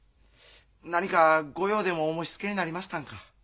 何かご用でもお申しつけになりましたんか？